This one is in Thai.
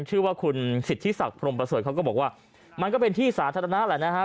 ชื่อว่าคุณสิทธิศักดิ์พรมประเสริฐเขาก็บอกว่ามันก็เป็นที่สาธารณะแหละนะฮะ